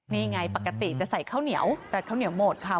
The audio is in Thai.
นี่ไงปกติจะใส่ข้าวเหนียวแต่ข้าวเหนียวหมดค่ะ